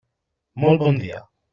Molt bon dia.